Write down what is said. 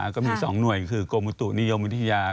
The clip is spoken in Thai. ก็มี๒หน่วยคือกรมอุตุนิยมวิทยา